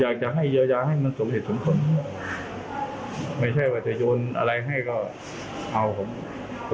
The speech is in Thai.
อยากจะให้เยียวยาให้มันสมเหตุสมผลไม่ใช่ว่าจะโยนอะไรให้ก็เอาผม